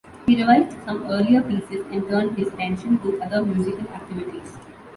He revised some earlier pieces, and turned his attention to other musical activities.